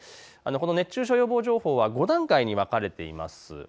熱中症予防情報は５段階に分かれています。